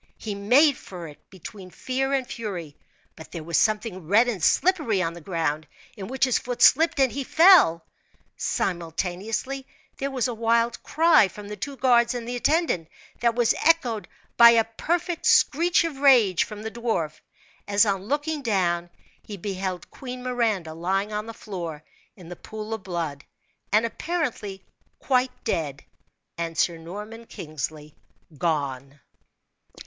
He made for it between fear and fury, but there was something red and slippery on the ground, in which his foot slipped, and he fell. Simultaneously there was a wild cry from the two guards and the attendant, that was echoed by a perfect screech of rage from the dwarf, as on looking down he beheld Queen Miranda lying on the floor in the pool of blood, and apparently quite dead, and Sir Norman Kingsley gone.